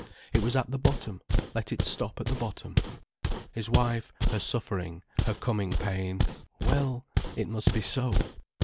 It was at the bottom, let it stop at the bottom. His wife, her suffering, her coming pain—well, it must be so.